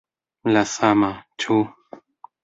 La sama, ĉu?